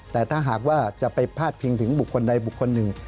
แต่ถ้าหากว่าจะไปพาดพิงถึงบุคคลใดบุคคลหนึ่ง